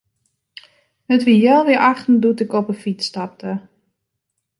It wie healwei achten doe't ik op 'e fyts stapte.